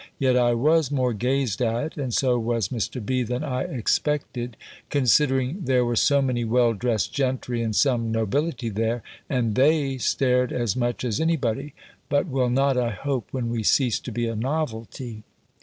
Yet I was more gazed at (and so was Mr. B.) than I expected, considering there were so many well dressed gentry, and some nobility there, and they stared as much as any body, but will not, I hope, when we cease to be a novelty.